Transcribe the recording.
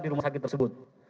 di rumah sakit tersebut